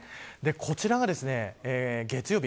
こちらが月曜日